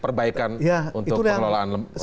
perbaikan untuk pengelolaan rutan ini